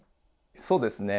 そうですね